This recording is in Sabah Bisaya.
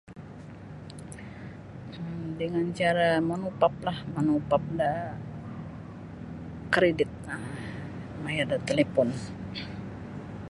Dengan cara manupap lah manupap da kredit um mamayar da talipun.